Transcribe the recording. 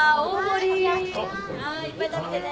いっぱい食べてね。